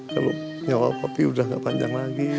kalo nyawa papi udah ga panjang lagi